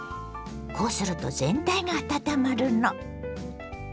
こうすると全体が温まるの。